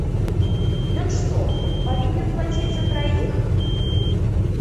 Ён што, павінен плаціць за траіх?